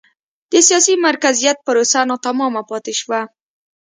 د سیاسي مرکزیت پروسه ناتمامه پاتې شوه.